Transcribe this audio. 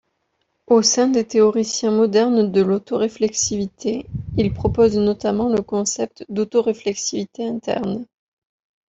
Au sein des théoriciens modernes de l'autoréflexivité, il propose notamment le concept d'autoréflexivité interne.